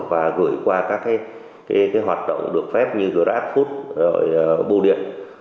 và gửi qua các cái hoạt động được phép như grabfood rồi bù điện